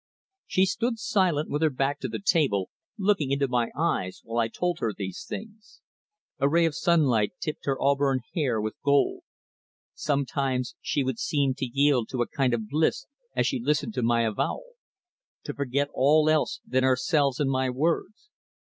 She stood silent, with her back to the table, looking into my eyes while I told her these things. A ray of sunlight tipped her auburn hair with gold. Sometimes she would seem to yield to a kind of bliss as she listened to my avowal; to forget all else than ourselves and my words.